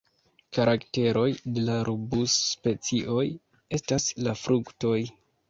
Karakteroj de la rubus-specioj estas la fruktoj.